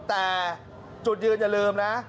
แต่จุดยืนอย่าลืมนะ